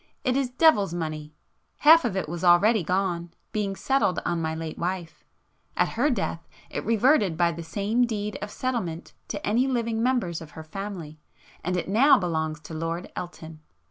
It is devil's money! Half of it was already gone, being settled on my late wife,—at her death, it reverted by the same deed of settlement, to any living members of her family, and it now belongs to Lord Elton.